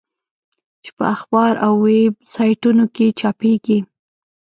چې په اخبار او ویب سایټونو کې چاپېږي.